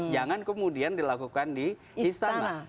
jangan kemudian dilakukan di istana